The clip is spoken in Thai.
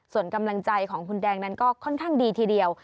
ส่วนกำลังใจของคุณแดงนั้นก็ค่อนข้างดีทีเดียว